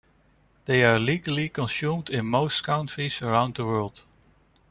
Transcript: They are legally consumed in most countries around the world.